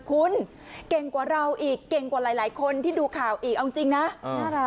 คุณเก่งกว่าเราอีกเก่งกว่าหลายคนที่ดูข่าวอีกเอาจริงนะน่ารัก